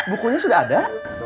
bukunya sudah ada